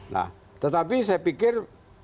nah tetapi saya pikir